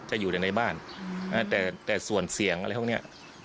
อยู่ในบ้านแต่ส่วนเสียงอะไรพวกนี้